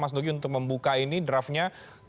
mas nugi untuk membuka ini draftnya